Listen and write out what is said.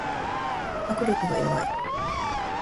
握力が弱い